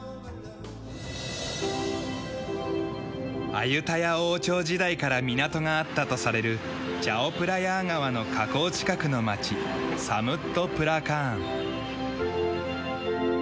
アユタヤ王朝時代から港があったとされるチャオプラヤー川の河口近くの町サムットプラカーン。